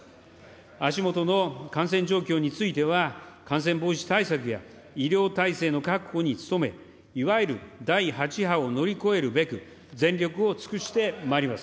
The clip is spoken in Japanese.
足下の感染状況については、感染防止対策や医療体制の確保に努め、いわゆる第８波を乗り越えるべく、全力を尽くしてまいります。